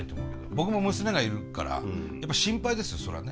僕も娘がいるから心配ですよそらね。